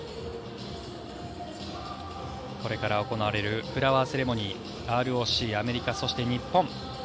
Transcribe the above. これから行われるフラワーセレモニーＲＯＣ、アメリカ、そして日本